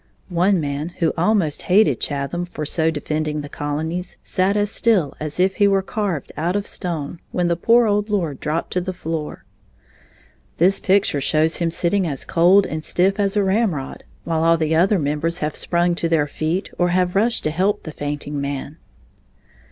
One man who almost hated Chatham for so defending the Colonies sat as still as if he were carved out of stone when the poor old lord dropped to the floor. This picture shows him sitting as cold and stiff as a ramrod while all the other members have sprung to their feet or have rushed to help the fainting man.